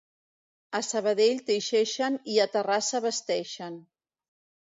A Sabadell teixeixen i a Terrassa vesteixen.